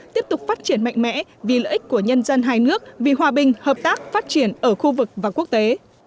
tiếp tục phát triển mạnh mẽ vì lợi ích của nhân dân hai nước vì hòa bình hợp tác phát triển ở khu vực và quốc tế